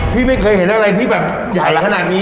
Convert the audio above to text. พี่ไม่เคยเห็นอะไรที่แบบใหญ่ขนาดนี้